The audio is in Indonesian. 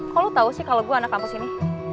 kok lo tau sih kalau gue anak kampus ini